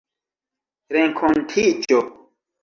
renkontiĝo